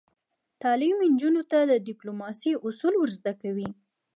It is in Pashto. تعلیم نجونو ته د ډیپلوماسۍ اصول ور زده کوي.